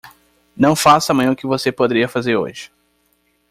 Não faça amanhã o que você poderia fazer hoje.